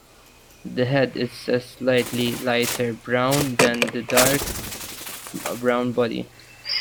The head is a slightly lighter brown than the dark brown body.